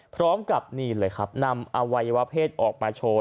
พร้อมกับนี่เลยครับนำอวัยวะเพศออกมาโชว์